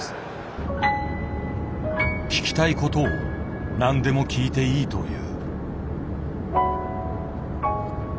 聞きたいことを何でも聞いていいという。